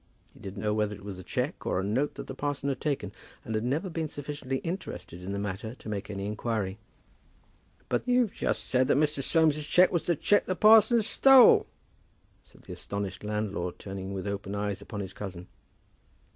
He didn't know whether it was a cheque or a note that the parson had taken, and had never been sufficiently interested in the matter to make any inquiry. "But you've just said that Mr. Soames's cheque was the cheque the parson stole," said the astonished landlord, turning with open eyes upon his cousin.